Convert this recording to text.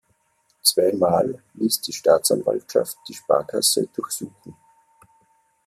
Zweimal ließ die Staatsanwaltschaft die Sparkasse durchsuchen.